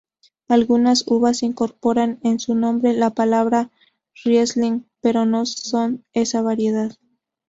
Algunas uvas incorporan en su nombre la palabra "riesling" pero no son esa variedad.